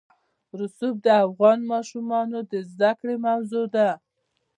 رسوب د افغان ماشومانو د زده کړې موضوع ده.